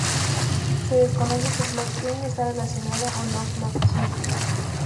Se desconoce si Clock Queen está relacionada o no Clock King.